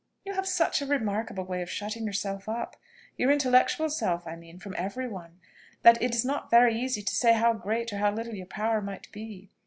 "You have such a remarkable way of shutting yourself up your intellectual self I mean, from every one, that it is not very easy to say how great or how little your power might be.